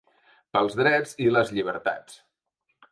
Pels drets i les llibertats.